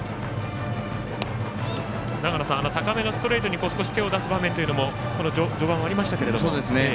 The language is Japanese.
高めのストレートに少し手を出す場面というのもこの序盤はありましたけども。